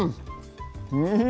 うん！